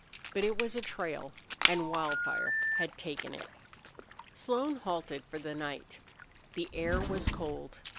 But it was a trail, and Wildfire had taken it. Slone halted for the night. The air was cold.